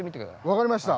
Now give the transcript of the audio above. わかりました。